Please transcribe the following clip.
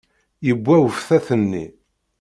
Yewwa uftat-nni.